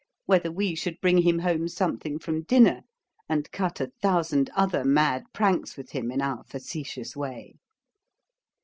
whether we should bring him home something from dinner? and cut a thousand other mad pranks with him in our facetious way.